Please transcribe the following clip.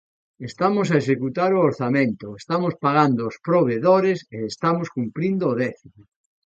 "Estamos a executar o orzamento, estamos pagando aos provedores e estamos cumprindo o déficit".